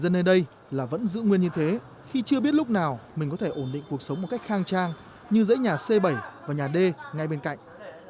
dân nơi đây là vẫn giữ nguyên như thế khi chưa biết lúc nào mình có thể ổn định cuộc sống một cách khang trang như dãy nhà c bảy và nhà d ngay bên cạnh